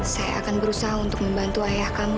saya akan berusaha untuk membantu ayah kamu